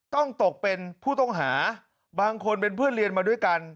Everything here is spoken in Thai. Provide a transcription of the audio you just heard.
ต้องตกเป็นผู้ต้องหาบางคนเป็นเพื่อนเรียนมาด้วยกัน